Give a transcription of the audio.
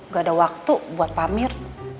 gak ada waktu buat pak amir